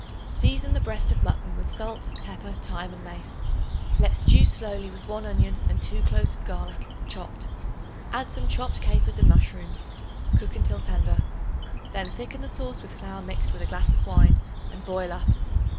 Season the breast of mutton with salt, pepper, thyme and mace; let stew slowly with 1 onion and 2 cloves of garlic chopped. Add some chopped capers and mushrooms; cook until tender. Then thicken the sauce with flour mixed with a glass of wine and boil up.